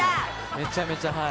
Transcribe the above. めちゃめちゃ、はい。